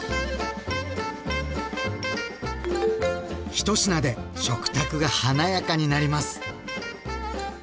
１品で食卓が華やかになります。